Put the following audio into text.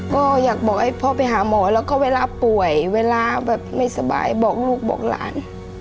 ก็อยากบอกให้พ่อไปหาหมอแล้วก็เวลาป่วยเวลาแบบไม่สบายบอกลูกบอกหลาน